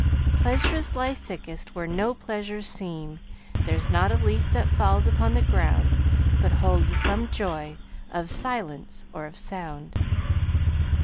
"'Pleasures lie thickest where no pleasures seem; There's not a leaf that falls upon the ground But holds some joy, of silence or of sound.'